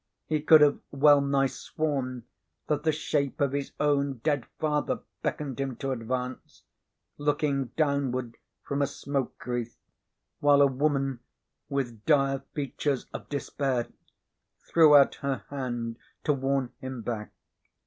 He could have well nigh sworn that the shape of his own dead father beckoned him to advance, looking downward from a smoke wreath, while a woman, with dim features of despair, threw out her hand to warn him back.